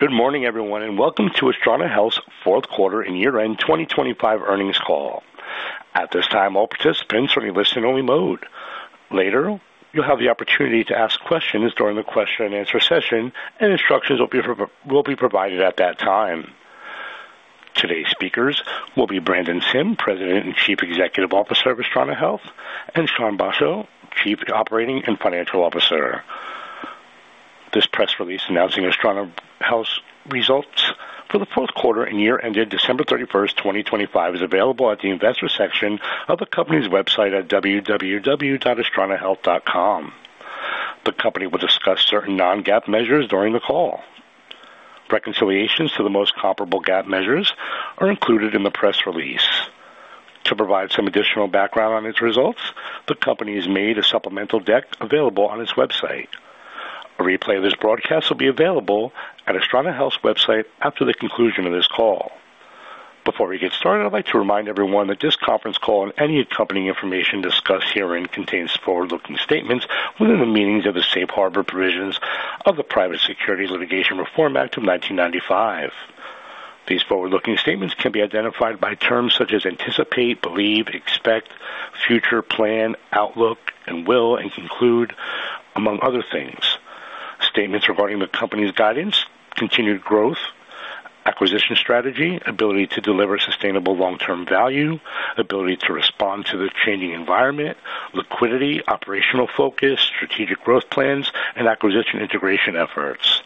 Good morning, everyone, welcome to Astrana Health's Q4 and year-end 2025 earnings call. At this time, all participants are in listen-only mode. Later, you'll have the opportunity to ask questions during the question-and-answer session, instructions will be provided at that time. Today's speakers will be Brandon Sim, President and Chief Executive Officer of Astrana Health, and Chan Basho, Chief Operating and Financial Officer. This press release announcing Astrana Health's results for the Q4 and year ended December 31, 2025, is available at the investor section of the company's website at www.astranahealth.com. The company will discuss certain non-GAAP measures during the call. Reconciliations to the most comparable GAAP measures are included in the press release. To provide some additional background on its results, the company has made a supplemental deck available on its website. A replay of this broadcast will be available at Astrana Health's website after the conclusion of this call. Before we get started, I'd like to remind everyone that this conference call and any accompanying information discussed herein contains forward-looking statements within the meanings of the Safe Harbor provisions of the Private Securities Litigation Reform Act of 1995. These forward-looking statements can be identified by terms such as "anticipate," "believe," "expect," "future," "plan," "outlook" and "will" and "conclude," among other things. Statements regarding the company's guidance, continued growth, acquisition strategy, ability to deliver sustainable long-term value, ability to respond to the changing environment, liquidity, operational focus, strategic growth plans, and acquisition integration efforts.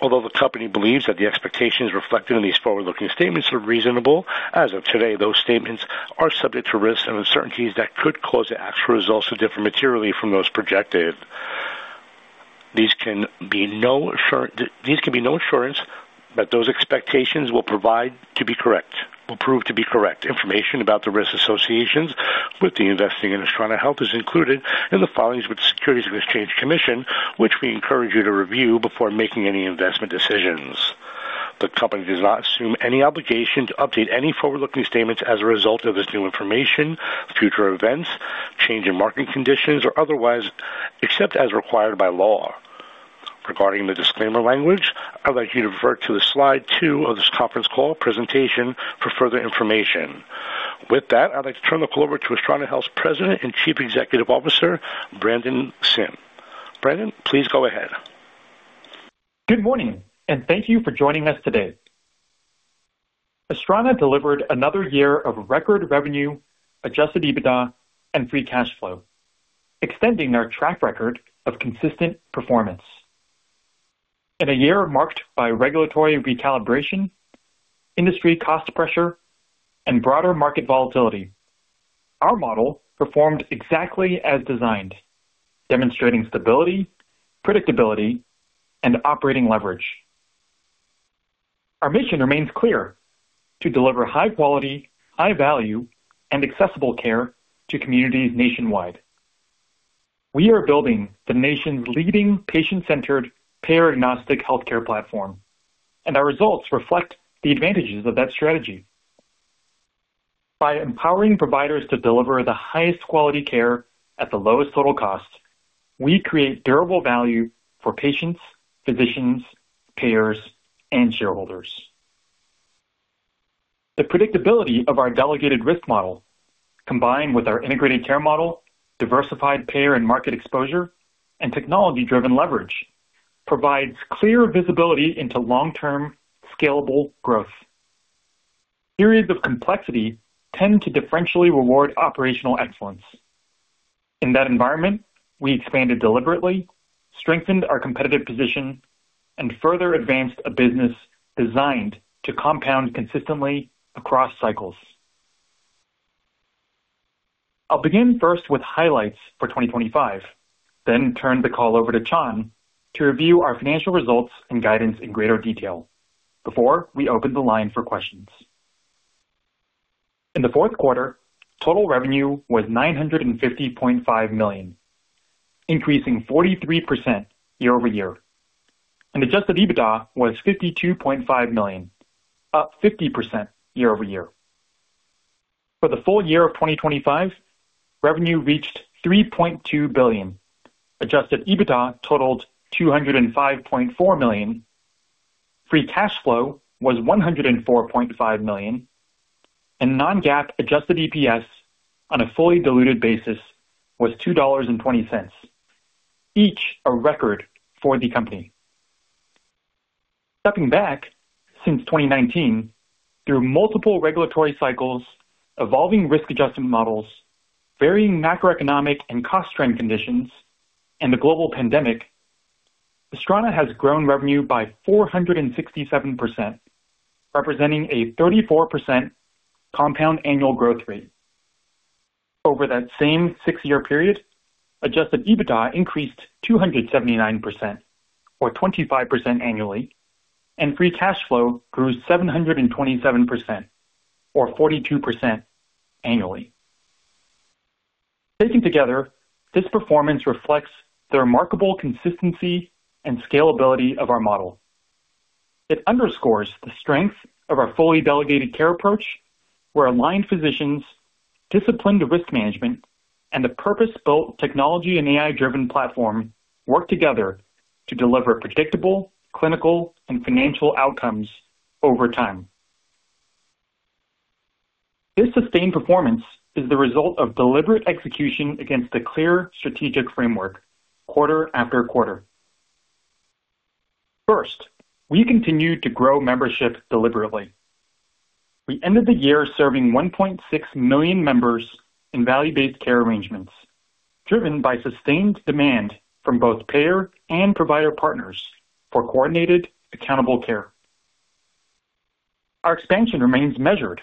Although the company believes that the expectations reflected in these forward-looking statements are reasonable, as of today, those statements are subject to risks and uncertainties that could cause the actual results to differ materially from those projected. There can be no assurance that those expectations will prove to be correct. Information about the risk associations with the investing in Astrana Health is included in the filings with the Securities and Exchange Commission, which we encourage you to review before making any investment decisions. The company does not assume any obligation to update any forward-looking statements as a result of this new information, future events, change in market conditions, or otherwise, except as required by law. Regarding the disclaimer language, I'd like to refer to the slide two of this conference call presentation for further information. I'd like to turn the call over to Astrana Health's President and Chief Executive Officer, Brandon Sim. Brandon, please go ahead. Good morning, and thank you for joining us today. Astrana delivered another year of record revenue, adjusted EBITDA, and free cash flow, extending our track record of consistent performance. In a year marked by regulatory recalibration, industry cost pressure, and broader market volatility, our model performed exactly as designed, demonstrating stability, predictability, and operating leverage. Our mission remains clear: To deliver high quality, high value, and accessible care to communities nationwide. We are building the nation's leading patient-centered payer-agnostic healthcare platform, and our results reflect the advantages of that strategy. By empowering providers to deliver the highest quality care at the lowest total cost, we create durable value for patients, physicians, payers, and shareholders. The predictability of our delegated risk model, combined with our integrated care model, diversified payer and market exposure, and technology-driven leverage, provides clear visibility into long-term scalable growth. Periods of complexity tend to differentially reward operational excellence. In that environment, we expanded deliberately, strengthened our competitive position, and further advanced a business designed to compound consistently across cycles. I'll begin first with highlights for 2025, then turn the call over to Chan to review our financial results and guidance in greater detail before we open the line for questions. In the Q4, total revenue was $950.5 million, increasing 43% year-over-year. Adjusted EBITDA was $52.5 million, up 50% year-over-year. For the full year of 2025, revenue reached $3.2 billion, adjusted EBITDA totaled $205.4 million, free cash flow was $104.5 million, and non-GAAP adjusted EPS on a fully diluted basis was $2.20, each a record for the company. Stepping back, since 2019, through multiple regulatory cycles, evolving risk adjustment models, varying macroeconomic and cost trend conditions, and the global pandemic, Astrana has grown revenue by 467%, representing a 34% compound annual growth rate. Over that same six-year period, adjusted EBITDA increased 279% or 25% annually, and free cash flow grew 727% or 42% annually. Taken together, this performance reflects the remarkable consistency and scalability of our model. It underscores the strength of our fully delegated care approach. Where aligned physicians, disciplined risk management, and the purpose-built technology and AI-driven platform work together to deliver predictable clinical and financial outcomes over time. This sustained perfomance is the result of deliberate execution against a clear strategic framework quarter after quarter. First, we continued to grow membership deliberately. We ended the year serving 1.6 million members in value-based care arrangements, driven by sustained demand from both payer and provider partners for coordinated accountable care. Our expansion remains measured,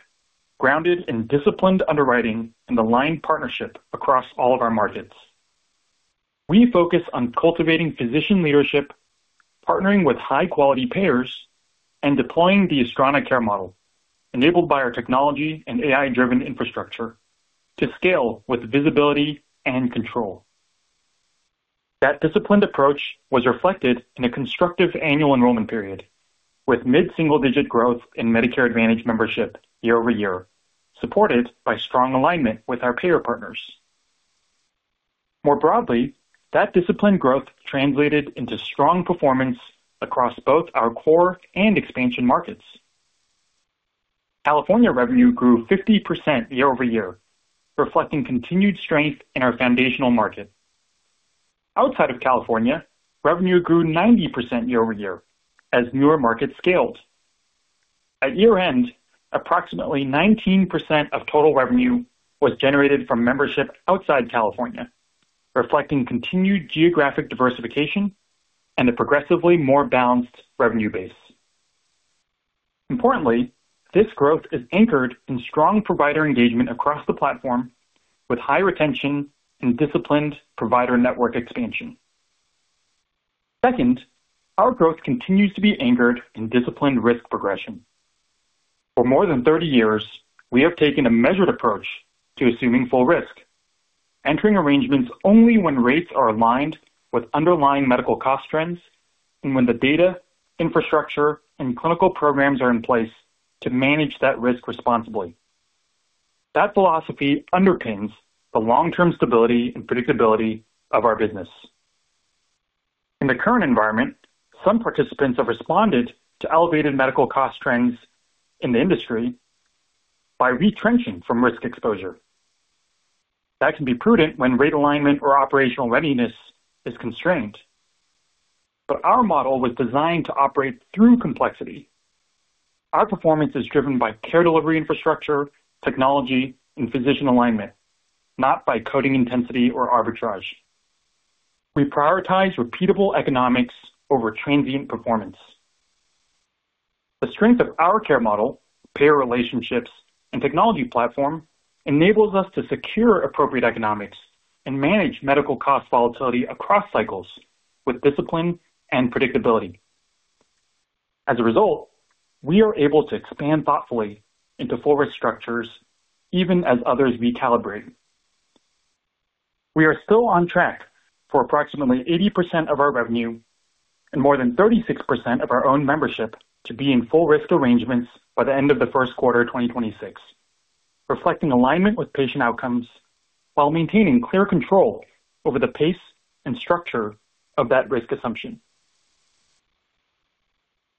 grounded in disciplined underwriting and aligned partnership across all of our markets. We focus on cultivating physician leadership, partnering with high-quality payers, and deploying the Astrana care model, enabled by our technology and AI-driven infrastructure to scale with visibility and control. That disciplined approach was reflected in a constructive annual enrollment period, with mid-single-digit growth in Medicare Advantage membership year-over-year, supported by strong alignment with our payer partners. More broadly, that disciplined growth translated into strong performance across both our core and expansion markets. California revenue grew 50% year-over-year, reflecting continued strength in our foundational market. Outside of California, revenue grew 90% year-over-year as newer markets scaled. At year-end, approximately 19% of total revenue was generated from membership outside California, reflecting continued geographic diversification and a progressively more balanced revenue base. Importantly, this growth is anchored in strong provider engagement across the platform with high retention and disciplined provider network expansion. Second, our growth continues to be anchored in disciplined risk progression. For more than 30 years, we have taken a measured approach to assuming full risk, entering arrangements only when rates are aligned with underlying medical cost trends and when the data, infrastructure, and clinical programs are in place to manage that risk responsibly. That philosophy underpins the long-term stability and predictability of our business. In the current environment, some participants have responded to elevated medical cost trends in the industry by retrenching from risk exposure. That can be prudent when rate alignment or operational readiness is constrained. Our model was designed to operate through complexity. Our performance is driven by care delivery infrastructure, technology, and physician alignment, not by coding intensity or arbitrage. We prioritize repeatable economics over transient performance. The strength of our care model, payer relationships, and technology platform enables us to secure appropriate economics and manage medical cost volatility across cycles with discipline and predictability. As a result, we are able to expand thoughtfully into full risk structures even as others recalibrate. We are still on track for approximately 80% of our revenue and more than 36% of our own membership to be in full risk arrangements by the end of the first quarter 2026, reflecting alignment with patient outcomes while maintaining clear control over the pace and structure of that risk assumption.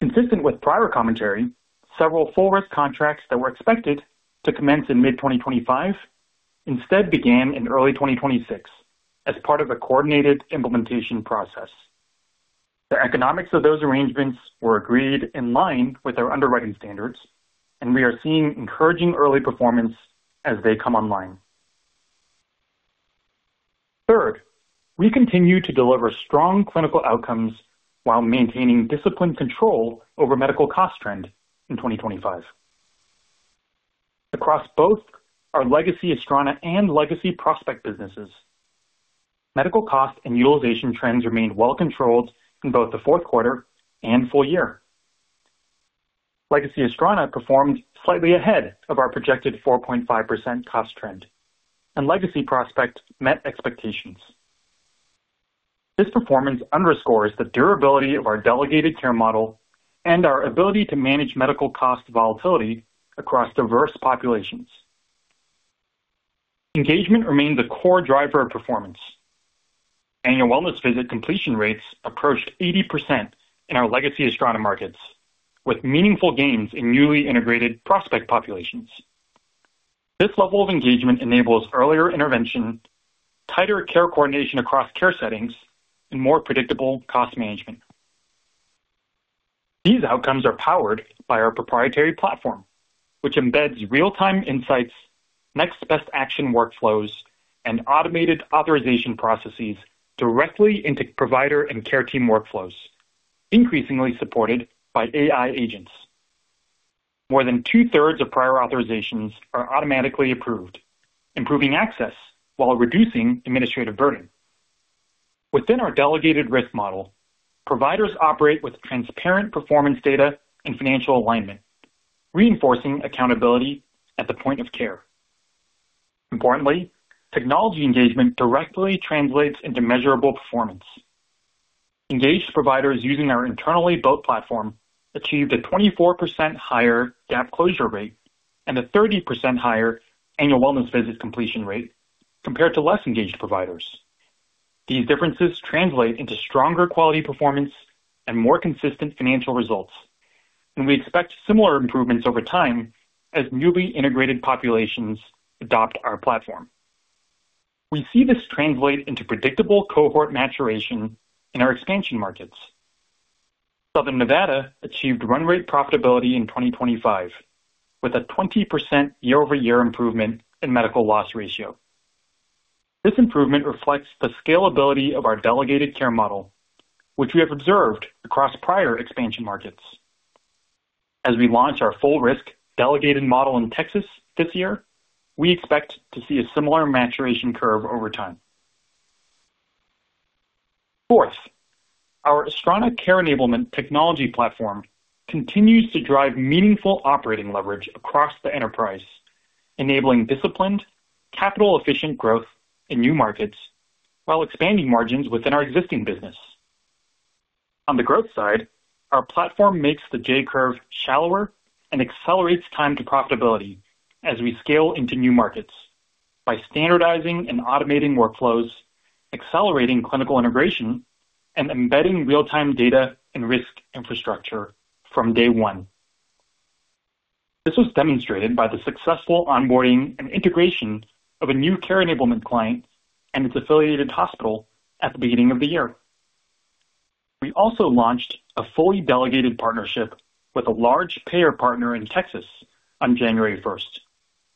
Consistent with prior commentary, several full risk contracts that were expected to commence in mid 2025 instead began in early 2026 as part of a coordinated implementation process. The economics of those arrangements were agreed in line with our underwriting standards, and we are seeing encouraging early performance as they come online. Third, we continue to deliver strong clinical outcomes while maintaining disciplined control over medical cost trend in 2025. Across both our legacy Astrana and legacy Prospect businesses, medical cost and utilization trends remained well controlled in both the Q4 and full year. Legacy Astrana performed slightly ahead of our projected 4.5% cost trend, and Legacy Prospect met expectations. This performance underscores the durability of our delegated care model and our ability to manage medical cost volatility across diverse populations. Engagement remained the core driver of performance. annual wellness visit completion rates approached 80% in our legacy Astrana markets, with meaningful gains in newly integrated Prospect populations. This level of engagement enables earlier intervention, tighter care coordination across care settings, and more predictable cost management. These outcomes are powered by our proprietary platform, which embeds real-time insights, next best action workflows, and automated authorization processes directly into provider and care team workflows, increasingly supported by AI agents. More than 2/3 of prior authorizations are automatically approved, improving access while reducing administrative burden. Within our delegated risk model, providers operate with transparent performance data and financial alignment, reinforcing accountability at the point of care. Importantly, technology engagement directly translates into measurable performance. Engaged providers using our internally built platform achieved a 24% higher gap closure rate and a 30% higher annual wellness visit completion rate compared to less engaged providers. These differences translate into stronger quality performance and more consistent financial results, and we expect similar improvements over time as newly integrated populations adopt our platform. We see this translate into predictable cohort maturation in our expansion markets. Southern Nevada achieved run rate profitability in 2025 with a 20% year-over-year improvement in medical loss ratio. This improvement reflects the scalability of our delegated care model, which we have observed across prior expansion markets. As we launch our full risk delegated model in Texas this year, we expect to see a similar maturation curve over time. Fourth, our Astrana Care Enablement technology platform continues to drive meaningful operating leverage across the enterprise, enabling disciplined capital efficient growth in new markets while expanding margins within our existing business. On the growth side, our platform makes the J-curve shallower and accelerates time to profitability as we scale into new markets by standardizing and automating workflows, accelerating clinical integration, and embedding real-time data and risk infrastructure from day one. This was demonstrated by the successful onboarding and integration of a new Care Enablement client and its affiliated hospital at the beginning of the year. We also launched a fully delegated partnership with a large payer partner in Texas on January first,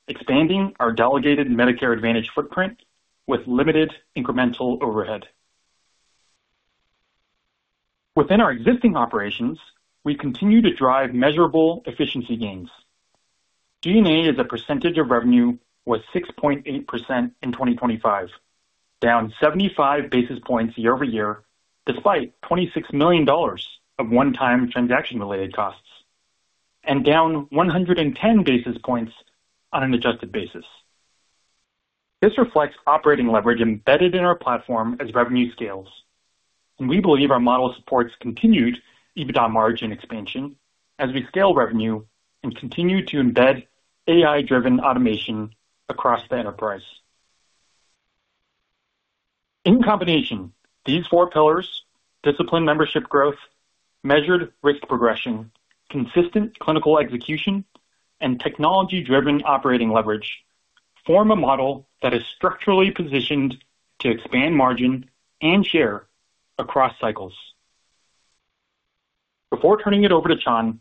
expanding our delegated Medicare Advantage footprint with limited incremental overhead. Within our existing operations, we continue to drive measurable efficiency gains. G&A as a percentage of revenue was 6.8% in 2025, down 75 basis points year-over-year, despite $26 million of one-time transaction related costs, and down 110 basis points on an adjusted basis. This reflects operating leverage embedded in our platform as revenue scales, and we believe our model supports continued EBITDA margin expansion as we scale revenue and continue to embed AI-driven automation across the enterprise. In combination, these four pillars discipline membership growth, measured risk progression, consistent clinical execution, and technology-driven operating leverage form a model that is structurally positioned to expand margin and share across cycles. Before turning it over to Chan,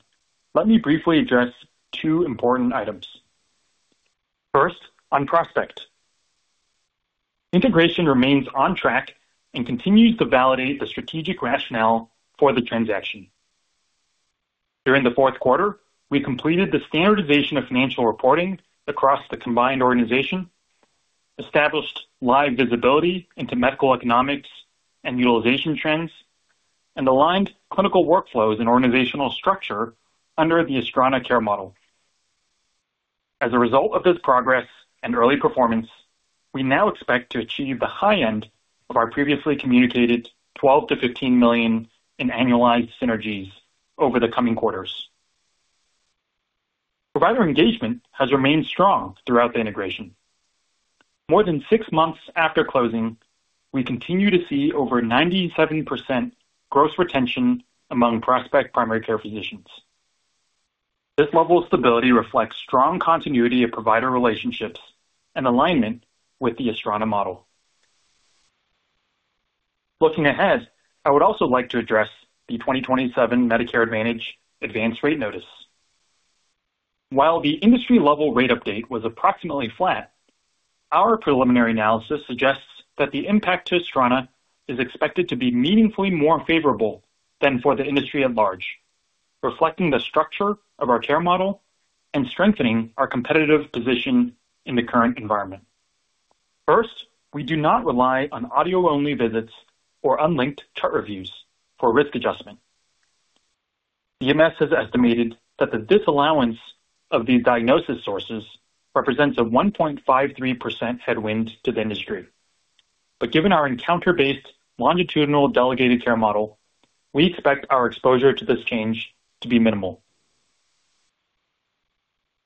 let me briefly address two important items. First, on Prospect. Integration remains on track and continues to validate the strategic rationale for the transaction. During the Q4, we completed the standardization of financial reporting across the combined organization, established live visibility into medical economics and utilization trends, and aligned clinical workflows and organizational structure under the Astrana care model. As a result of this progress and early performance, we now expect to achieve the high end of our previously communicated $12 million-$15 million in annualized synergies over the coming quarters. Provider engagement has remained strong throughout the integration. More than six months after closing, we continue to see over 97% gross retention among Prospect primary care physicians. This level of stability reflects strong continuity of provider relationships and alignment with the Astrana model. Looking ahead, I would also like to address the 2027 Medicare Advantage Advance Rate Notice. While the industry level rate update was approximately flat, our preliminary analysis suggests that the impact to Astrana is expected to be meaningfully more favorable than for the industry at large, reflecting the structure of our care model and strengthening our competitive position in the current environment. First, we do not rely on audio-only visits or unlinked chart reviews for risk adjustment. CMS has estimated that the disallowance of these diagnosis sources represents a 1.53% headwind to the industry. Given our encounter-based longitudinal delegated care model, we expect our exposure to this change to be minimal.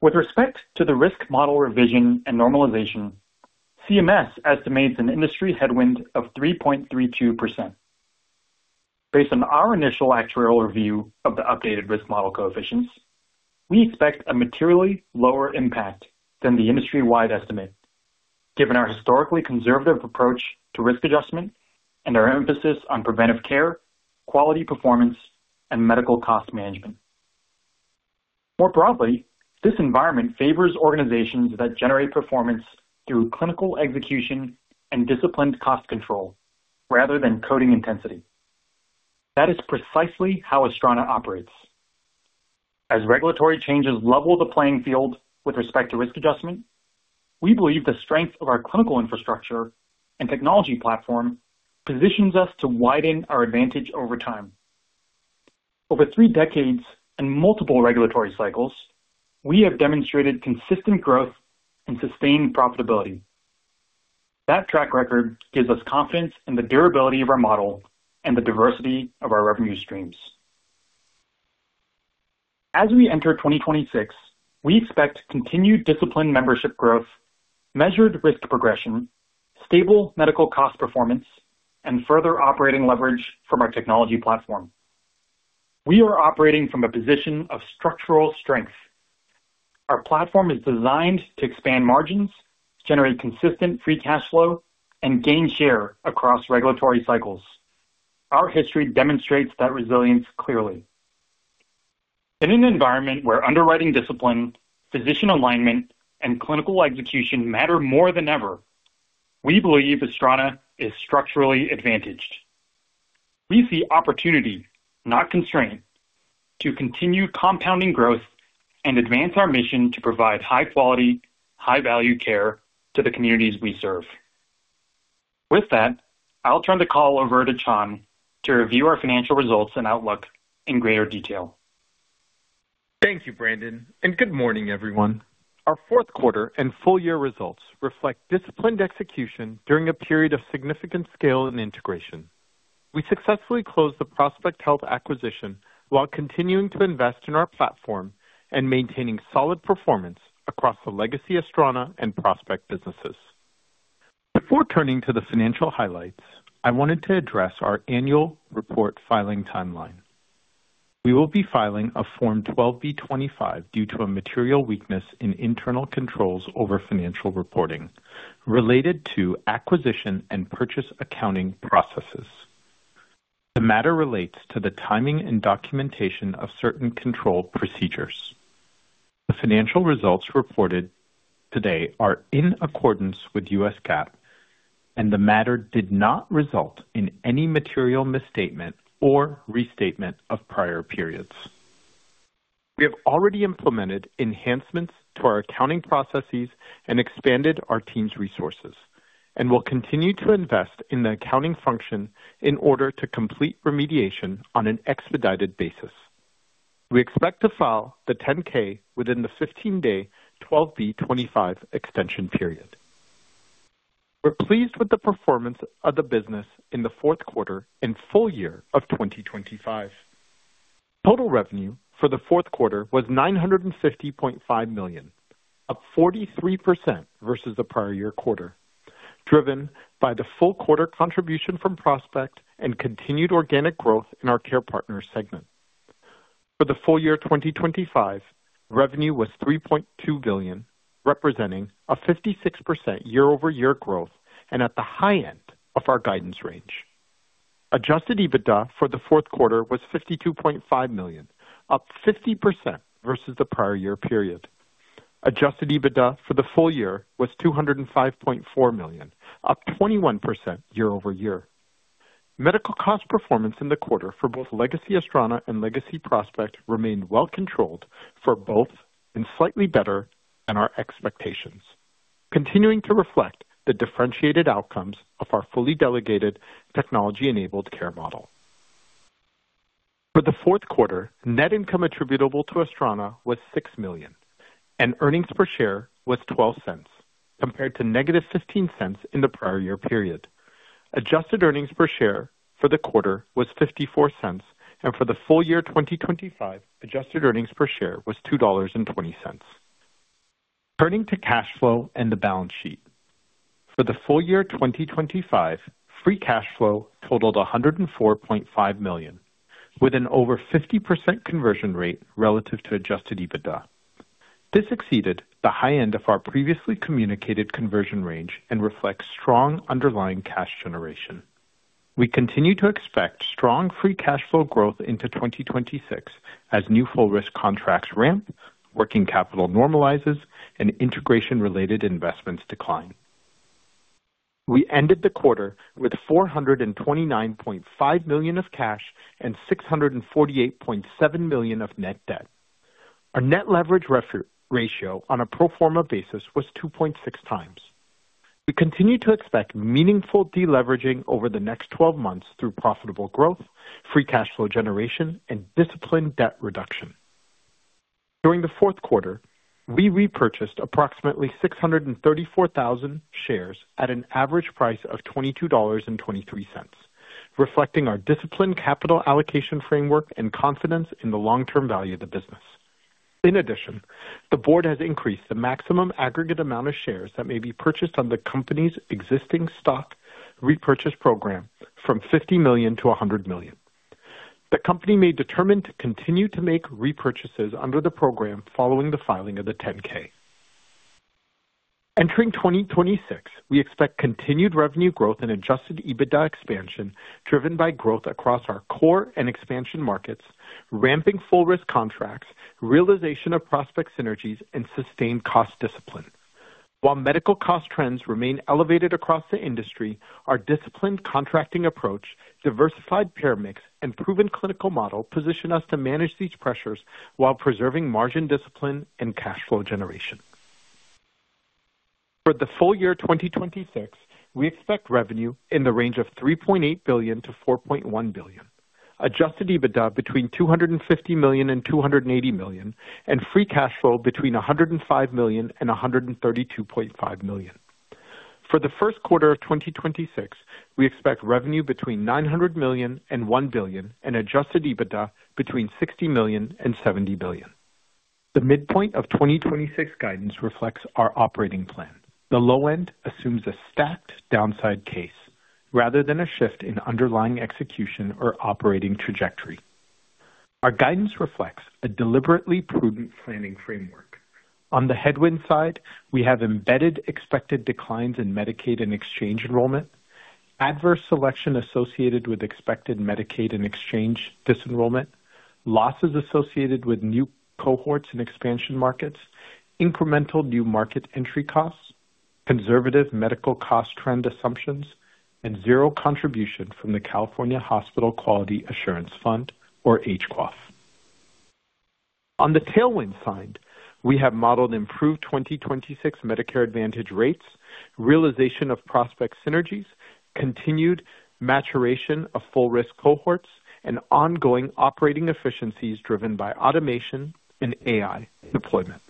With respect to the risk model revision and normalization, CMS estimates an industry headwind of 3.32%. Based on our initial actuarial review of the updated risk model coefficients, we expect a materially lower impact than the industry-wide estimate, given our historically conservative approach to risk adjustment and our emphasis on preventive care, quality performance, and medical cost management. More broadly, this environment favors organizations that generate performance through clinical execution and disciplined cost control rather than coding intensity. That is precisely how Astrana operates. As regulatory changes level the playing field with respect to risk adjustment, we believe the strength of our clinical infrastructure and technology platform positions us to widen our advantage over time. Over three decades and multiple regulatory cycles, we have demonstrated consistent growth and sustained profitability. That track record gives us confidence in the durability of our model and the diversity of our revenue streams. As we enter 2026, we expect continued disciplined membership growth, measured risk progression, stable medical cost performance, and further operating leverage from our technology platform. We are operating from a position of structural strength. Our platform is designed to expand margins, generate consistent free cash flow, and gain share across regulatory cycles. Our history demonstrates that resilience clearly. In an environment where underwriting discipline, physician alignment, and clinical execution matter more than ever, we believe Astrana is structurally advantaged. We see opportunity, not constraint, to continue compounding growth and advance our mission to provide high quality, high value care to the communities we serve. With that, I'll turn the call over to Chan to review our financial results and outlook in greater detail. Thank you, Brandon, and good morning, everyone. Our Q4 and full year results reflect disciplined execution during a period of significant scale and integration. We successfully closed the Prospect Health acquisition while continuing to invest in our platform and maintaining solid performance across the legacy Astrana and Prospect businesses. Before turning to the financial highlights, I wanted to address our annual report filing timeline. We will be filing a Form 12b-25 due to a material weakness in internal controls over financial reporting related to acquisition and purchase accounting processes. The matter relates to the timing and documentation of certain control procedures. The financial results reported today are in accordance with U.S. GAAP, and the matter did not result in any material misstatement or restatement of prior periods. We have already implemented enhancements to our accounting processes and expanded our team's resources, will continue to invest in the accounting function in order to complete remediation on an expedited basis. We expect to file the 10-K within the 15-day 12b-25 extension period. We're pleased with the performance of the business in the Q4 and full year of 2025. Total revenue for the Q4 was $950.5 million, up 43% versus the prior year quarter, driven by the full quarter contribution from Prospect and continued organic growth in our Care Partners segment. For the full year 2025, revenue was $3.2 billion, representing a 56% year-over-year growth and at the high end of our guidance range. Adjusted EBITDA for the Q4 was $52.5 million, up 50% versus the prior year period. Adjusted EBITDA for the full year was $205.4 million, up 21% year-over-year. Medical cost performance in the quarter for both legacy Astrana and legacy Prospect remained well controlled for both and slightly better than our expectations, continuing to reflect the differentiated outcomes of our fully delegated technology-enabled care model. For the Q4, net income attributable to Astrana was $6 million and earnings per share was $0.12 compared to -$0.15 in the prior year period. Adjusted earnings per share for the quarter was $0.54, and for the full year 2025, adjusted earnings per share was $2.20. Turning to cash flow and the balance sheet. For the full year 2025, free cash flow totaled $104.5 million, with an over 50% conversion rate relative to adjusted EBITDA. This exceeded the high end of our previously communicated conversion range and reflects strong underlying cash generation. We continue to expect strong free cash flow growth into 2026 as new full risk contracts ramp, working capital normalizes and integration related investments decline. We ended the quarter with $429.5 million of cash and $648.7 million of net debt. Our net leverage ratio on a pro forma basis was 2.6x. We continue to expect meaningful deleveraging over the next 12 months through profitable growth, free cash flow generation and disciplined debt reduction. During the Q4, we repurchased approximately 634,000 shares at an average price of $22.23, reflecting our disciplined capital allocation framework and confidence in the long term value of the business. In addition, the board has increased the maximum aggregate amount of shares that may be purchased under the company's existing stock repurchase program from $50 million-$100 million. The company may determine to continue to make repurchases under the program following the filing of the 10-K. Entering 2026, we expect continued revenue growth and adjusted EBITDA expansion, driven by growth across our core and expansion markets, ramping full risk contracts, realization of Prospect synergies, and sustained cost discipline. While medical cost trends remain elevated across the industry, our disciplined contracting approach, diversified peer mix, and proven clinical model position us to manage these pressures while preserving margin discipline and free cash flow generation. For the full year 2026, we expect revenue in the range of $3.8 billion-$4.1 billion, adjusted EBITDA between $250 million and $280 million, and free cash flow between $105 million and $132.5 million. For the Q1 of 2026, we expect revenue between $900 million and $1 billion and adjusted EBITDA between $60 million and $70 billion. The midpoint of 2026 guidance reflects our operating plan. The low end assumes a stacked downside case rather than a shift in underlying execution or operating trajectory. Our guidance reflects a deliberately prudent planning framework. On the headwind side, we have embedded expected declines in Medicaid and exchange enrollment, adverse selection associated with expected Medicaid and exchange disenrollment, losses associated with new cohorts and expansion markets, incremental new market entry costs, conservative medical cost trend assumptions, and zero contribution from the California Hospital Quality Assurance Fund, or HQAF. On the tailwind side, we have modeled improved 2026 Medicare Advantage rates, realization of Prospect synergies, continued maturation of full risk cohorts, and ongoing operating efficiencies driven by automation and AI deployment.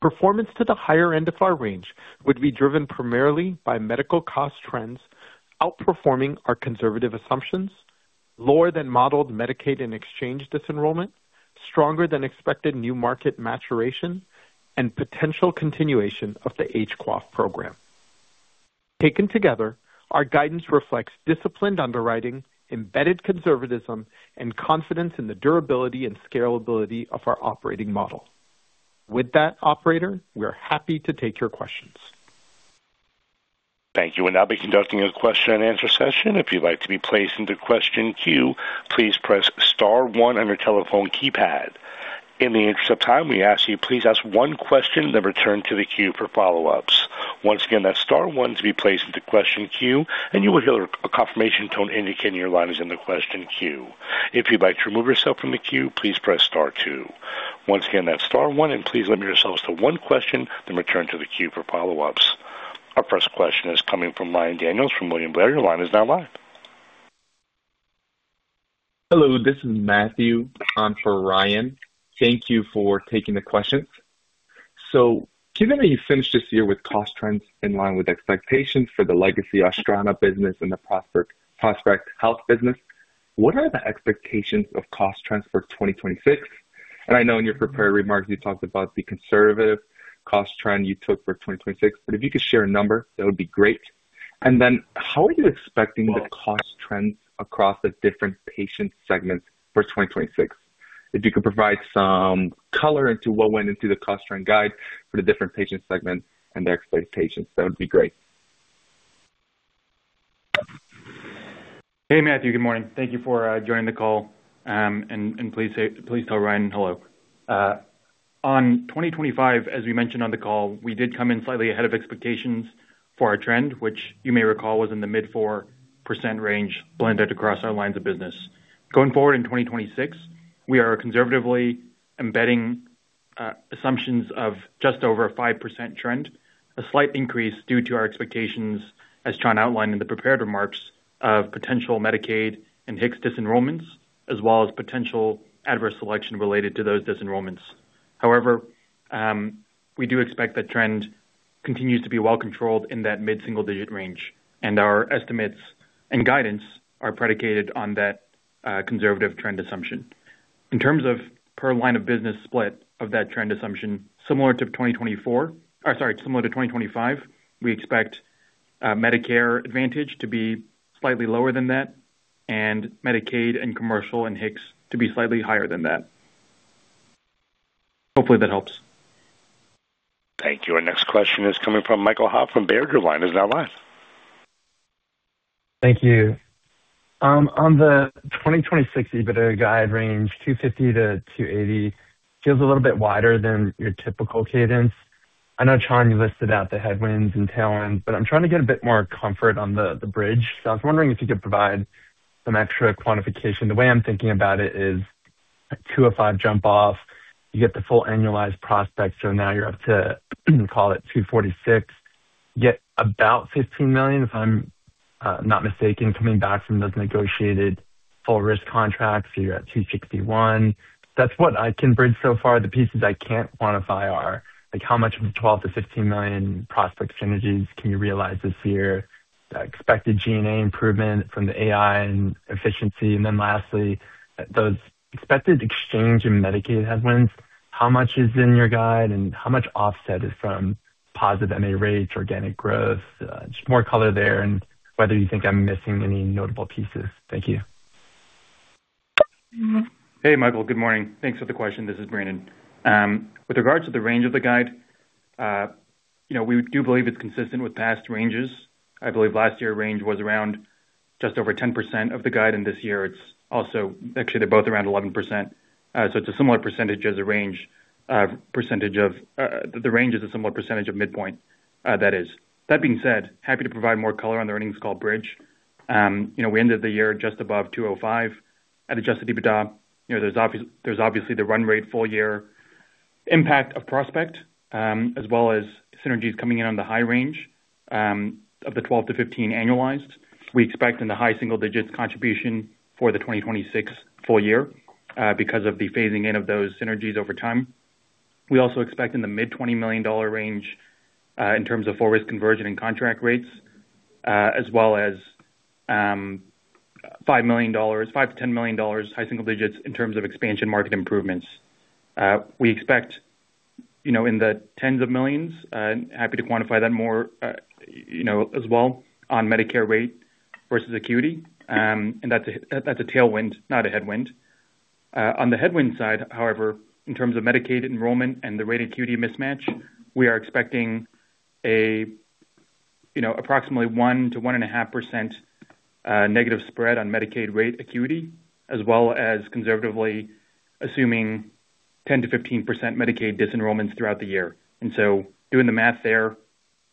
Performance to the higher end of our range would be driven primarily by medical cost trends outperforming our conservative assumptions, lower than modeled Medicaid and exchange disenrollment, stronger than expected new market maturation, and potential continuation of the HQAF program. Taken together, our guidance reflects disciplined underwriting, embedded conservatism, and confidence in the durability and scalability of our operating model. With that operator, we are happy to take your questions. Thank you. We'll now be conducting a question and answer session. If you'd like to be placed into question queue, please press star one on your telephone keypad. In the interest of time, we ask you please ask one question, then return to the queue for follow-ups. Once again, that's star one to be placed into question queue, and you will hear a confirmation tone indicating your line is in the question queue. If you'd like to remove yourself from the queue, please press star two. Once again, that's star one, and please limit yourselves to one question, then return to the queue for follow-ups. Our first question is coming from Ryan Daniels from William Blair. Your line is now live. Hello, this is Matthew on for Ryan. Thank you for taking the questions. Given that you finished this year with cost trends in line with expectations for the Legacy Astrana business and the Prospect Health business, what are the expectations of cost trends for 2026? I know in your prepared remarks you talked about the conservative cost trend you took for 2026, but if you could share a number, that would be great. How are you expecting the cost trends across the different patient segments for 2026? If you could provide some color into what went into the cost trend guide for the different patient segments and their expectations, that would be great. Hey, Matthew. Good morning. Thank you for joining the call, and please tell Ryan hello. On 2025, as we mentioned on the call, we did come in slightly ahead of expectations for our trend, which you may recall was in the mid 4% range blended across our lines of business. Going forward, in 2026, we are conservatively embedding assumptions of just over a 5% trend, a slight increase due to our expectations as Chan outlined in the prepared remarks of potential Medicaid and risk disenrollments, as well as potential adverse selection related to those disenrollments. However, we do expect that trend continues to be well controlled in that mid-single-digit range, and our estimates and guidance are predicated on that conservative trend assumption. In terms of per line of business split of that trend assumption similar to 2024, Oh, sorry, similar to 2025, we expect Medicare Advantage to be slightly lower than that and Medicaid and Commercial and risk to be slightly higher than that. Hopefully that helps. Thank you. Our next question is coming from Michael Ha from Baird. Your line is now live. Thank you. On the 2026 EBITDA guide range, $250 million-$280 million feels a little bit wider than your typical cadence. I know, Chan, you listed out the headwinds and tailwinds, but I'm trying to get a bit more comfort on the bridge. I was wondering if you could provide some extra quantification. The way I'm thinking about it is $205 million jump off, you get the full annualized prospects, now you're up to call it $246 million. You get about $15 million, if I'm not mistaken, coming back from those negotiated full risk contracts. You're at $261 million. That's what I can bridge so far. The pieces I can't quantify are like how much of the $12 million-$15 million prospects synergies can you realize this year? Expected G&A improvement from the AI and efficiency. Lastly, those expected exchange in Medicaid headwinds, how much is in your guide and how much offset is from positive MA rates, organic growth? Just more color there and whether you think I'm missing any notable pieces. Thank you. Hey, Michael. Good morning. Thanks for the question. This is Brandon. With regards to the range of the guide, you know, we do believe it's consistent with past ranges. I believe last year range was around just over 10% of the guide, and this year it's also. Actually, they're both around 11%. It's a similar percentage as a range, percentage of, the range is a similar percentage of midpoint, that is. That being said, happy to provide more color on the earnings call bridge. You know, we ended the year just above $205 at adjusted EBITDA. You know, there's obviously the run rate full year impact of Prospect Health, as well as synergies coming in on the high range, of the 12-15 annualized. We expect in the high single digits contribution for the 2026 full year because of the phasing in of those synergies over time. We also expect in the mid $20 million range in terms of forward conversion and contract rates, as well as $5 million-$10 million high single digits in terms of expansion market improvements. We expect, you know, in the $10s of millions and happy to quantify that more, you know, as well on Medicare rate versus acuity. That's a tailwind, not a headwind. On the headwind side, however, in terms of Medicaid enrollment and the rate acuity mismatch, we are expecting approximately 1%-1.5% negative spread on Medicaid rate acuity, as well as conservatively assuming 10%-15% Medicaid disenrollments throughout the year. Doing the math there,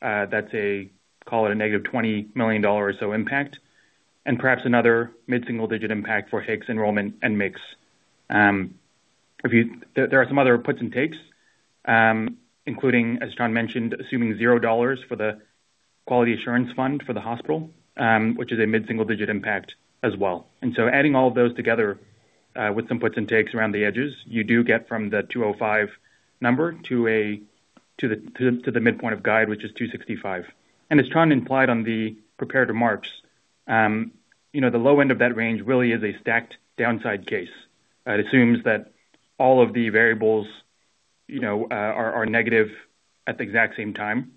that's a call it a =$20 million or so impact and perhaps another mid-single digit impact for HCC enrollment and mix. If there are some other puts and takes, including, as Chan mentioned, assuming $0 for the Quality Assurance Fund for the hospital, which is a mid-single digit impact as well. Adding all of those together, with some puts and takes around the edges, you do get from the 205 number to the midpoint of guide, which is 265. As Chan implied on the prepared remarks, you know, the low end of that range really is a stacked downside case that assumes that all of the variables, you know, are negative at the exact same time.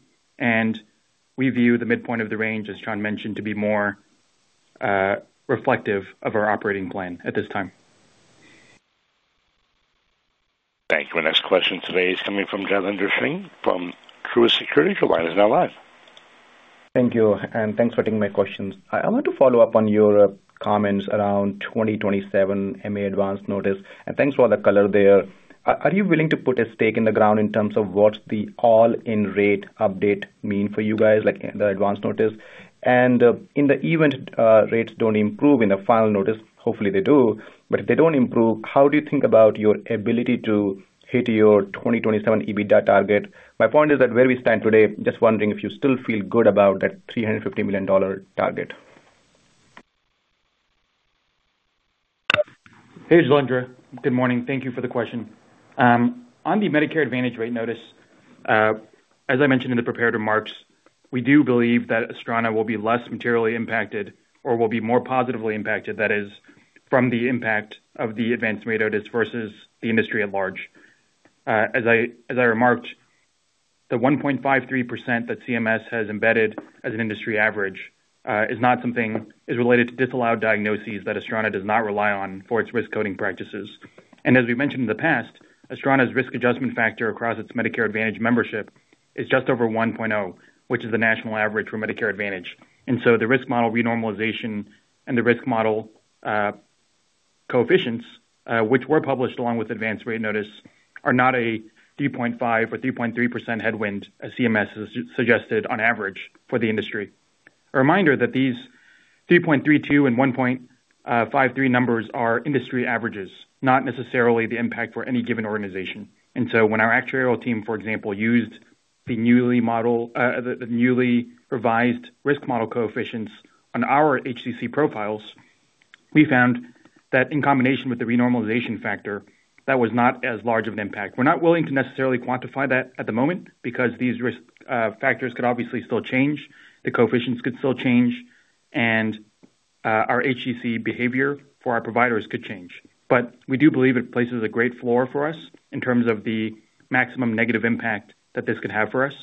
We view the midpoint of the range, as Chan mentioned, to be more reflective of our operating plan at this time. Thank you. Our next question today is coming from Jailendra Singh from Truist Securities. Your line is now live. Thank you. Thanks for taking my questions. I want to follow up on your comments around 2027 MA Advance Notice, and thanks for all the color there. Are you willing to put a stake in the ground in terms of what the all-in rate update mean for you guys, like the Advance Notice? In the event rates don't improve in the final notice, hopefully they do, but if they don't improve, how do you think about your ability to hit your 2027 EBITDA target? My point is that where we stand today, just wondering if you still feel good about that $350 million target. Hey, Jailendra. Good morning. Thank you for the question. On the Medicare Advantage rate notice, as I mentioned in the prepared remarks, we do believe that Astrana will be less materially impacted or will be more positively impacted. That is, from the impact of the advanced rate notice versus the industry at large. As I remarked, the 1.53% that CMS has embedded as an industry average, is not something, is related to disallowed diagnoses that Astrana does not rely on for its risk coding practices. As we mentioned in the past, Astrana's risk adjustment factor across its Medicare Advantage membership is just over 1.0, which is the national average for Medicare Advantage. The risk model renormalization and the risk model coefficients, which were published along with Advanced Rate Notice, are not a 3.5% or 3.3% headwind, as CMS has suggested on average for the industry. A reminder that these 3.32 and 1.53 numbers are industry averages, not necessarily the impact for any given organization. When our actuarial team, for example, used the newly revised risk model coefficients on our HCC profiles, we found that in combination with the renormalization factor, that was not as large of an impact. We're not willing to necessarily quantify that at the moment because these risk factors could obviously still change, the coefficients could still change, and our HCC behavior for our providers could change. We do believe it places a great floor for us in terms of the maximum negative impact that this could have for us.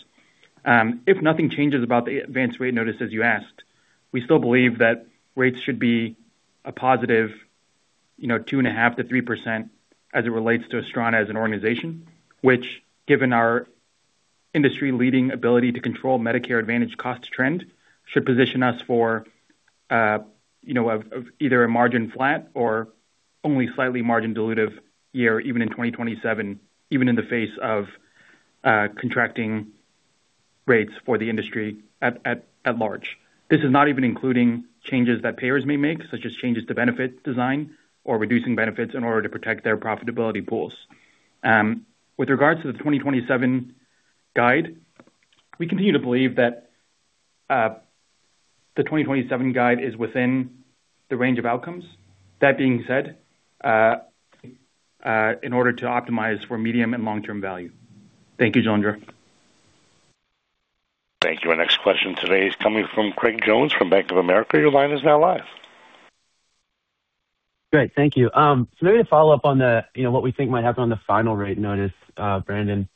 If nothing changes about the Advanced Rate Notice, as you asked, we still believe that rates should be a positive 2.5%-3% as it relates to Astrana as an organization, which given our industry-leading ability to control Medicare Advantage cost trend, should position us for of either a margin flat or only slightly margin dilutive year, even in 2027, even in the face of contracting rates for the industry at large. This is not even including changes that payers may make, such as changes to benefit design or reducing benefits in order to protect their profitability pools. With regards to the 2027 guide, we continue to believe that the 2027 guide is within the range of outcomes. That being said, in order to optimize for medium and long-term value. Thank you, Jailendra. Thank you. Our next question today is coming from Craig Jones from Bank of America. Your line is now live. Great. Thank you. Maybe to follow up on the, you know, what we think might happen on the final rate notice, Brandon.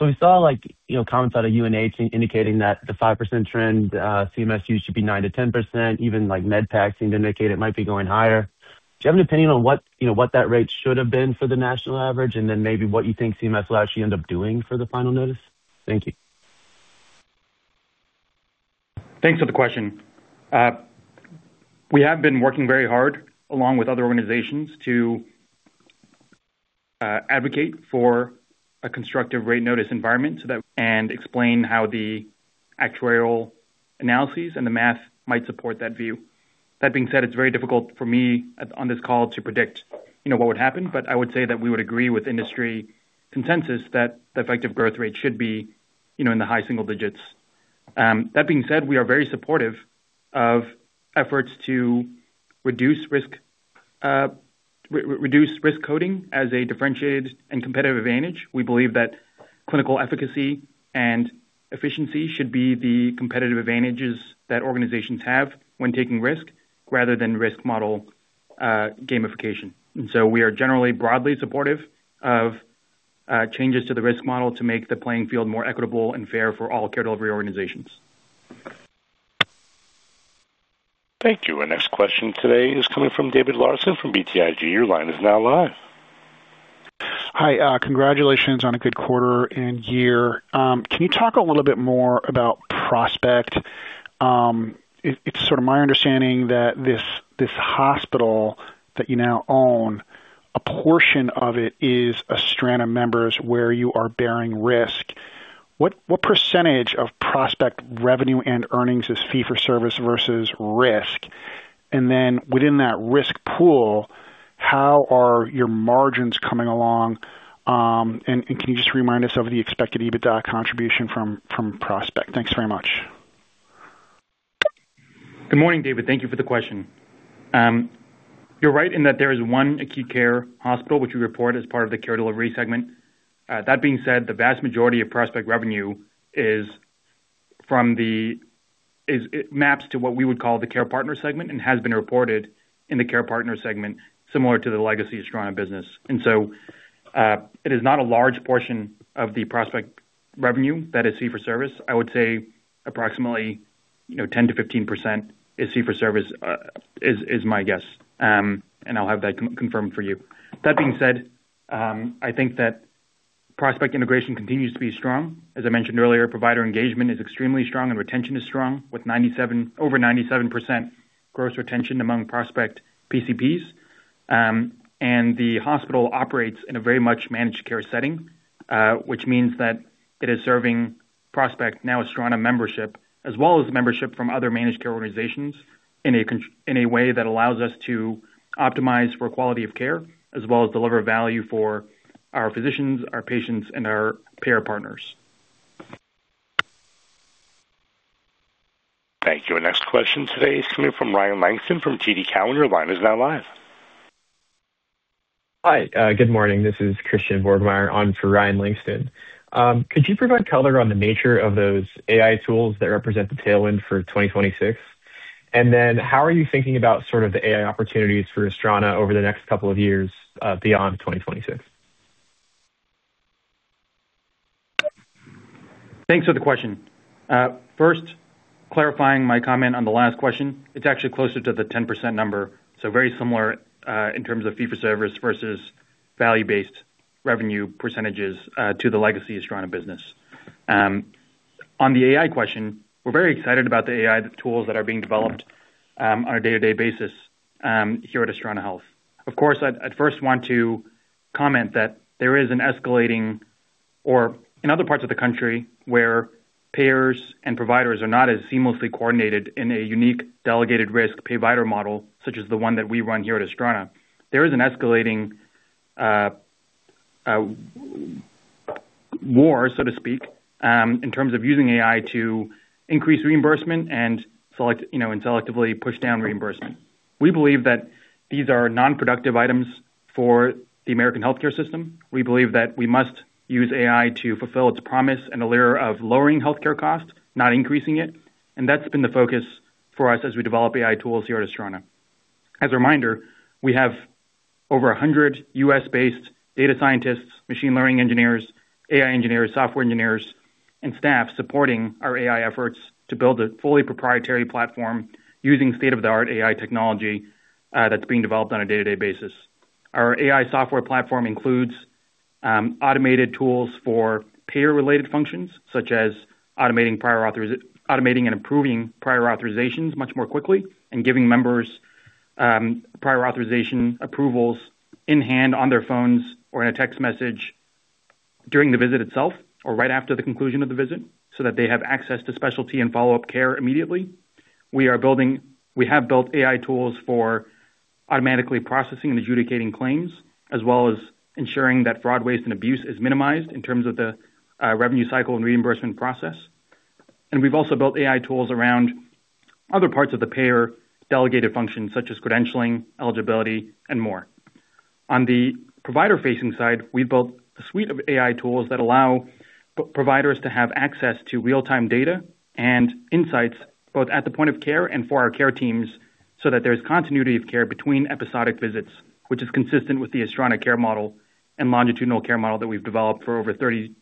We saw like, you know, comments out of UNH indicating that the 5% trend, CMS use should be 9%-10%. Even like MedPAC seemed to indicate it might be going higher. Do you have an opinion on what, you know, what that rate should have been for the national average? And then maybe what you think CMS will actually end up doing for the final notice? Thank you. Thanks for the question. We have been working very hard, along with other organizations, to advocate for a constructive rate notice environment so that. Explain how the actuarial analyses and the math might support that view. That being said, it's very difficult for me on this call to predict, you know, what would happen, but I would say that we would agree with industry consensus that the effective growth rate should be, you know, in the high single digits. That being said, we are very supportive of efforts to reduce risk, reduce risk coding as a differentiated and competitive advantage. We believe that clinical efficacy and efficiency should be the competitive advantages that organizations have when taking risk rather than risk model gamification. We are generally broadly supportive of changes to the risk model to make the playing field more equitable and fair for all care delivery organizations. Thank you. Our next question today is coming from David Larsen from BTIG. Your line is now live. Hi, congratulations on a good quarter and year. Can you talk a little bit more about Prospect? It's sort of my understanding that this hospital that you now own, a portion of it is Astrana members where you are bearing risk. What percentage of Prospect revenue and earnings is fee for service versus risk? Then within that risk pool, how are your margins coming along? Can you just remind us of the expected EBITDA contribution from Prospect? Thanks very much. Good morning, David. Thank you for the question. You're right in that there is one acute care hospital which we report as part of the Care Delivery segment. That being said, the vast majority of Prospect revenue is from the, it maps to what we would call the Care Partners segment and has been reported in the Care Partners segment, similar to the legacy Astrana business. It is not a large portion of the Prospect revenue that is fee for service. I would say approximately, you know, 10%-15% is fee for service, is my guess. And I'll have that confirmed for you. That being said, I think that Prospect integration continues to be strong. As I mentioned earlier, provider engagement is extremely strong and retention is strong with over 97% gross retention among Prospect PCPs. The hospital operates in a very much managed care setting, which means that it is serving Prospect, now Astrana membership, as well as membership from other managed care organizations in a way that allows us to optimize for quality of care as well as deliver value for our physicians, our patients, and our payer partners. Thank you. Our next question today is coming from Ryan Langston from TD Cowen. Your line is now live. Hi, good morning. This is Christian Borgmeier on for Ryan Langston. Could you provide color on the nature of those AI tools that represent the tailwind for 2026? How are you thinking about sort of the AI opportunities for Astrana over the next couple of years, beyond 2026? Thanks for the question. First, clarifying my comment on the last question. It's actually closer to the 10% number, so very similar in terms of fee for service versus value-based revenue percentages to the legacy Astrana business. On the AI question, we're very excited about the AI tools that are being developed on a day-to-day basis here at Astrana Health. Of course, I'd first want to comment that there is an escalating or in other parts of the country where payers and providers are not as seamlessly coordinated in a unique delegated risk pay provider model, such as the one that we run here at Astrana. There is an escalating war, so to speak, in terms of using AI to increase reimbursement and select, you know, and selectively push down reimbursement. We believe that these are non-productive items for the American healthcare system. We believe that we must use AI to fulfill its promise and allures of lowering healthcare costs, not increasing it. That's been the focus for us as we develop AI tools here at Astrana. As a reminder, we have over 100 U.S.-based data scientists, machine learning engineers, AI engineers, software engineers, and staff supporting our AI efforts to build a fully proprietary platform using state-of-the-art AI technology that's being developed on a day-to-day basis. Our AI software platform includes automated tools for payer-related functions, such as automating and improving prior authorizations much more quickly and giving members prior authorization approvals in-hand on their phones or in a text message during the visit itself or right after the conclusion of the visit, so that they have access to specialty and follow-up care immediately. We have built AI tools for automatically processing and adjudicating claims, as well as ensuring that fraud, waste, and abuse is minimized in terms of the revenue cycle and reimbursement process. We've also built AI tools around other parts of the payer delegated functions such as credentialing, eligibility, and more. On the provider-facing side, we built a suite of AI tools that allow providers to have access to real-time data and insights, both at the point of care and for our care teams, so that there's continuity of care between episodic visits, which is consistent with the Astrana care model and longitudinal care model that we've developed for over 30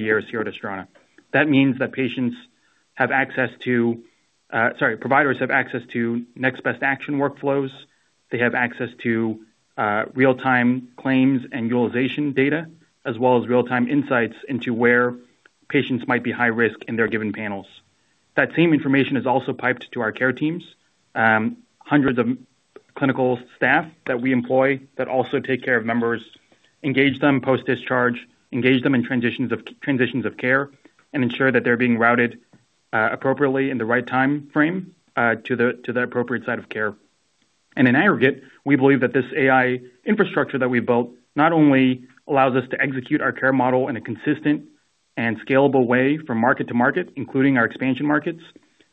years here at Astrana. Sorry, providers have access to next best action workflows. They have access to real-time claims and utilization data, as well as real-time insights into where patients might be high risk in their given panels. That same information is also piped to our care teams. Hundreds of clinical staff that we employ that also take care of members, engage them post-discharge, engage them in transitions of care, and ensure that they're being routed appropriately in the right timeframe to the appropriate site of care. In aggregate, we believe that this AI infrastructure that we built not only allows us to execute our care model in a consistent and scalable way from market to market, including our expansion markets,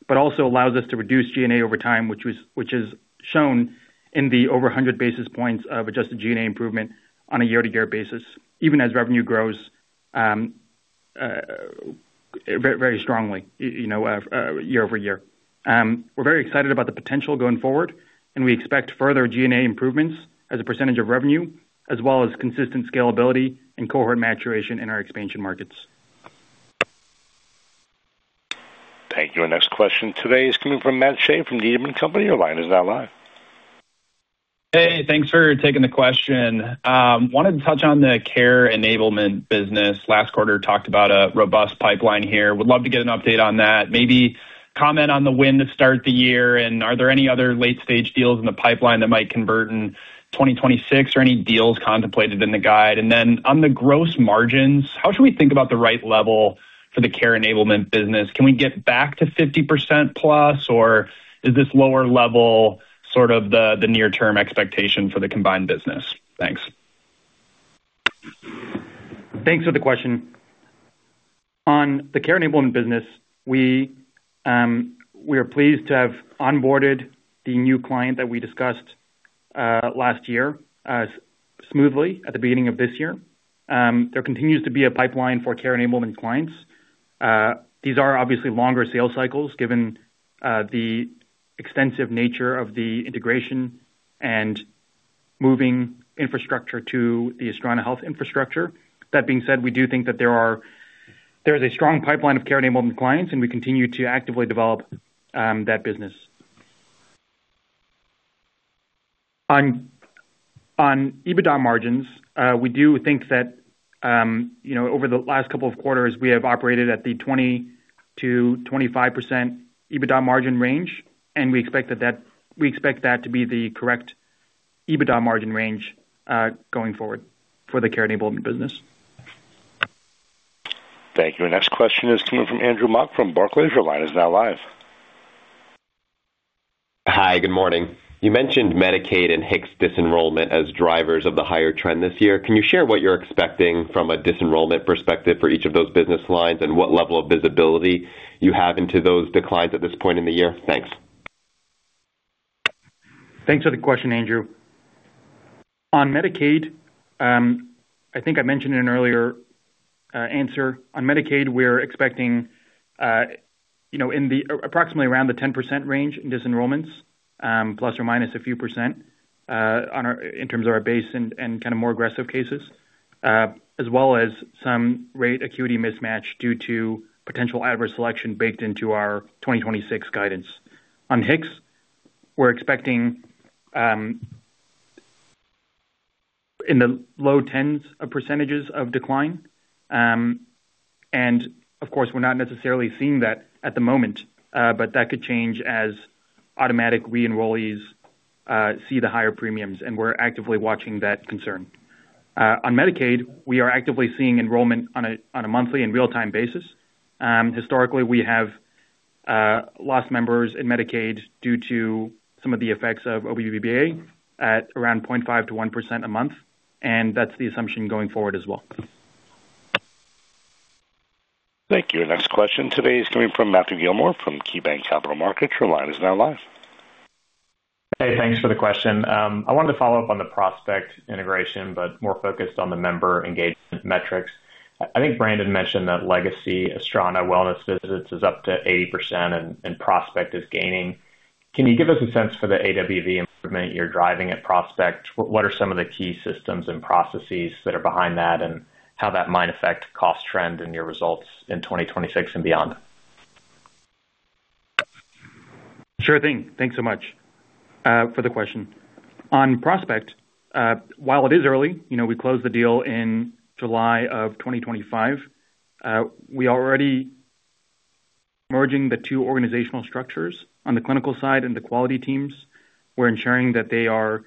but also allows us to reduce G&A over time, which is shown in the over 100 basis points of adjusted G&A improvement on a year-to-year basis, even as revenue grows very strongly, you know, year-over-year. We're very excited about the potential going forward, and we expect further G&A improvements as a % of revenue, as well as consistent scalability and cohort maturation in our expansion markets. Thank you. Our next question today is coming from Matt Shea from Needham & Company. Your line is now live. Hey, thanks for taking the question. Wanted to touch on the Care Enablement business. Last quarter, talked about a robust pipeline here. Would love to get an update on that. Maybe comment on the win to start the year and are there any other late-stage deals in the pipeline that might convert in 2026 or any deals contemplated in the guide? On the gross margins, how should we think about the right level for the Care Enablement business? Can we get back to 50% plus, or is this lower level sort of the near-term expectation for the combined business? Thanks. Thanks for the question. On the Care Enablement business, we are pleased to have onboarded the new client that we discussed last year smoothly at the beginning of this year. There continues to be a pipeline for Care Enablement clients. These are obviously longer sales cycles given the extensive nature of the integration and moving infrastructure to the Astrana Health infrastructure. That being said, we do think that there is a strong pipeline of Care Enablement clients, and we continue to actively develop that business. On EBITDA margins, we do think that, you know, over the last couple of quarters, we have operated at the 20%-25% EBITDA margin range, and we expect that to be the correct EBITDA margin range going forward for the Care Enablement business. Thank you. Our next question is coming from Andrew Mok from Barclays. Your line is now live. Hi, good morning. You mentioned Medicaid and risk disenrollment as drivers of the higher trend this year. Can you share what you're expecting from a disenrollment perspective for each of those business lines, and what level of visibility you have into those declines at this point in the year? Thanks. Thanks for the question, Andrew. On Medicaid, I think I mentioned in an earlier answer, on Medicaid, we're expecting, you know, approximately around the 10% range disenrollments, plus or minus a few percent, in terms of our base and kind of more aggressive cases, as well as some rate acuity mismatch due to potential adverse selection baked into our 2026 guidance. On HIX, we're expecting in the low tens of percentages of decline, and of course, we're not necessarily seeing that at the moment, but that could change as automatic re-enrollees see the higher premiums, and we're actively watching that concern. On Medicaid, we are actively seeing enrollment on a monthly and real-time basis. Historically, we have lost members in Medicaid due to some of the effects of OVBBA at around 0.5%-1% a month, and that's the assumption going forward as well. Thank you. Our next question today is coming from Matthew Gilmore from KeyBanc Capital Markets. Your line is now live. Thanks for the question. I wanted to follow up on the Prospect Health integration, but more focused on the member engagement metrics. I think Brandon mentioned that legacy Astrana wellness visits is up to 80% and Prospect Health is gaining. Can you give us a sense for the AWV improvement you're driving at Prospect Health? What are some of the key systems and processes that are behind that, and how that might affect cost trend in your results in 2026 and beyond? Sure thing. Thanks so much for the question. On Prospect, while it is early, you know, we closed the deal in July of 2025. We already merging the two organizational structures on the clinical side and the quality teams. We're ensuring that they are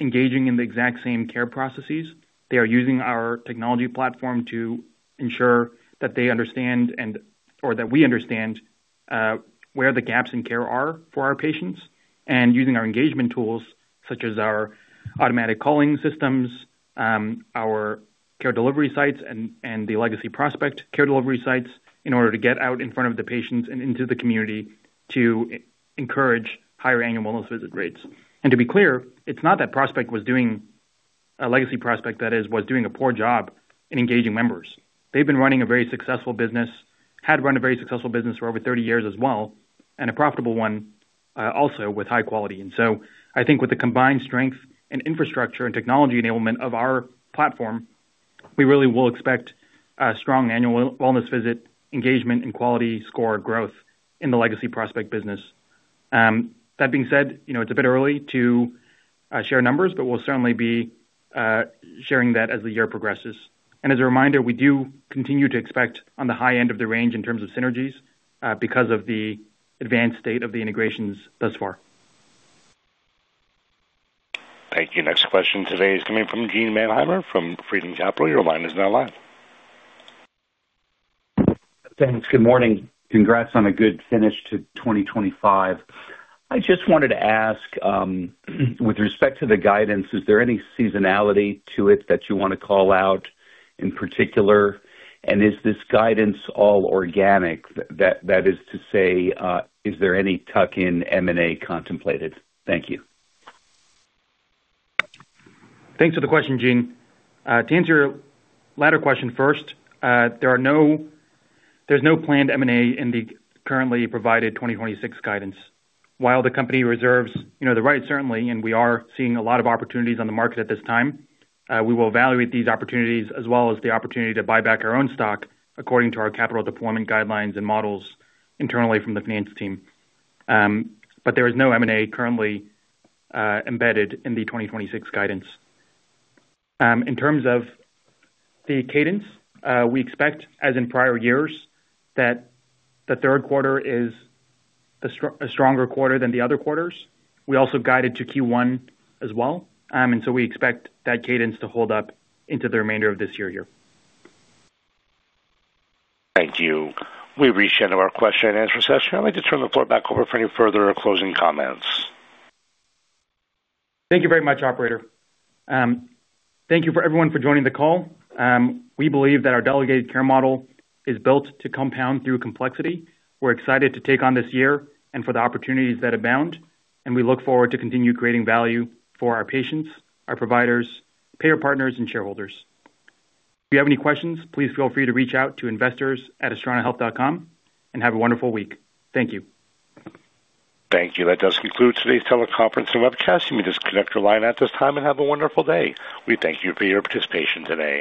engaging in the exact same care processes. They are using our technology platform to ensure that they understand or that we understand where the gaps in care are for our patients. Using our engagement tools, such as our automatic calling systems, our care delivery sites and the legacy Prospect care delivery sites in order to get out in front of the patients and into the community to encourage higher annual wellness visit rates. To be clear, it's not that Prospect was doing a legacy Prospect that is, was doing a poor job in engaging members. They've been running a very successful business. Had run a very successful business for over 30 years as well, and a profitable one, also with high quality. So I think with the combined strength and infrastructure and technology enablement of our platform, we really will expect a strong annual wellness visit engagement and quality score growth in the legacy Prospect business. That being said, you know, it's a bit early to share numbers, but we'll certainly be sharing that as the year progresses. As a reminder, we do continue to expect on the high end of the range in terms of synergies, because of the advanced state of the integrations thus far. Thank you. Next question today is coming from Gene Mannheimer from Freedom Capital. Your line is now live. Thanks. Good morning. Congrats on a good finish to 2025. I just wanted to ask, with respect to the guidance, is there any seasonality to it that you wanna call out in particular? Is this guidance all organic? That is to say, is there any tuck-in M&A contemplated? Thank you. Thanks for the question, Gene. To answer your latter question first, there's no planned M&A in the currently provided 2026 guidance. While the company reserves, you know, the right, certainly, and we are seeing a lot of opportunities on the market at this time, we will evaluate these opportunities as well as the opportunity to buy back our own stock according to our capital deployment guidelines and models internally from the finance team. There is no M&A currently embedded in the 2026 guidance. In terms of the cadence, we expect, as in prior years, that the Q3 is a stronger quarter than the other quarters. We also guided to Q1 as well. We expect that cadence to hold up into the remainder of this year here. Thank you. We've reached the end of our question and answer session. I'd like to turn the floor back over for any further closing comments. Thank you very much, operator. Thank you for everyone for joining the call. We believe that our delegated care model is built to compound through complexity. We're excited to take on this year and for the opportunities that abound, and we look forward to continue creating value for our patients, our providers, payer partners, and shareholders. If you have any questions, please feel free to reach out to investors at astranahealth.com and have a wonderful week. Thank you. Thank you. That does conclude today's teleconference and webcast. You may disconnect your line at this time and have a wonderful day. We thank you for your participation today.